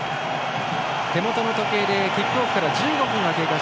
手元の時計でキックオフから１５分が経過。